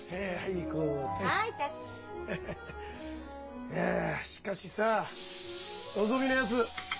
いやしかしさのぞみのやつ